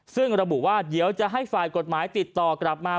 ซึ่งระบุว่าเดี๋ยวจะให้ฝ่ายกฎหมายติดต่อกลับมา